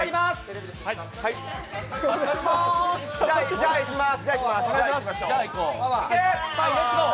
じゃ、いきます。